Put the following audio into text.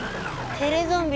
テレゾンビ！